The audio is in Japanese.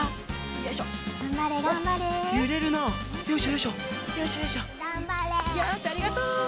よしありがとう！